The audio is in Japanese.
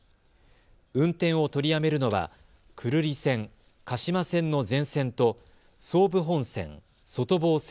運転を取りやめるのは久留里線、鹿島線の全線と総武本線、外房線、